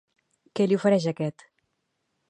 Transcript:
Què li ofereix aquest?